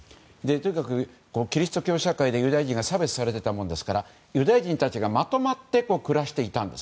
とにかくキリスト教社会でユダヤ人が差別されていたわけですからユダヤ人たちがまとまって暮らしていたんです。